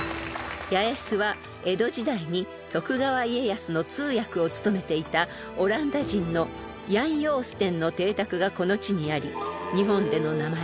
［八重洲は江戸時代に徳川家康の通訳を務めていたオランダ人のヤン・ヨーステンの邸宅がこの地にあり日本での名前